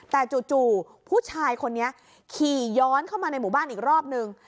แต่จู่ผู้ชายคนนี้ขี่ย้อนเข้ามาในหมู่บ้านอีกรอบนึง